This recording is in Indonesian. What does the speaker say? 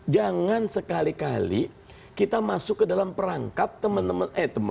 jangan sekali kali kita masuk ke dalam perangkap temen temen